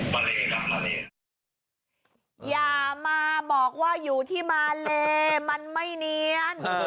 อ่ะมาเลอย่ามาบอกว่าอยู่ที่มาเลมันไม่เนียน